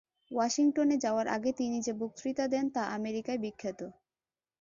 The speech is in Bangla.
ওয়াশিংটনে যাওয়ার আগে তিনি যে বক্তৃতা দেন তা আমেরিকায় বিখ্যাত।